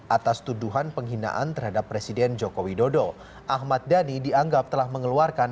atas tuduhan penghinaan terhadap presiden joko widodo ahmad dhani dianggap telah mengeluarkan